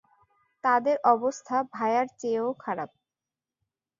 তাদের অবস্থা ভায়ার চেয়েও খারাপ।